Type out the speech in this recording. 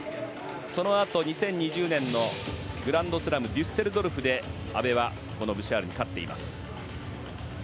そのあと、２０２０年のグランドスラムデュッセルドルフで阿部はブシャールに勝っています。